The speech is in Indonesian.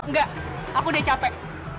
enggak aku udah capek